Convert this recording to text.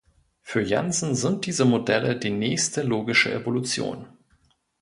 Für Jansen sind diese Modelle die nächste logische Evolution.